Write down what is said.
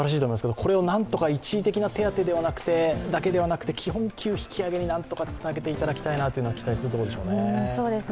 これをなんとか一時的な手当てではなくて基本給引き上げになんとかつなげていただきたいなというのは期待するところですよね。